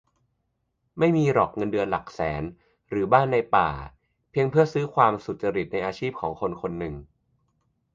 "ไม่มีหรอกเงินเดือนหลักแสน หรือบ้านในป่า เพียงเพื่อจะซื้อความสุจริตในอาชีพของคนคนหนึ่ง"